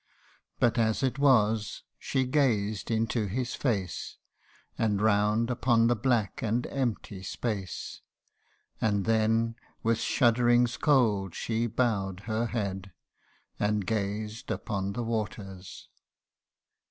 But as it was, she gazed into his face, And round upon the black and empty space, K 146 THE UNDYING ONE. And then with shudderings cold she bow'd her head, And gazed upon the waters.